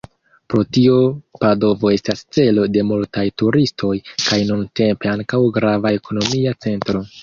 Pro tio Padovo estas celo de multaj turistoj, kaj nuntempe ankaŭ grava ekonomia centro.